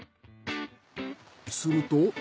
すると。